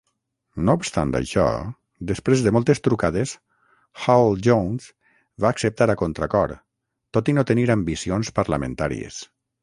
No obstant això, després de moltes trucades, Hall-Jones va acceptar a contracor, tot i no tenir ambicions parlamentàries.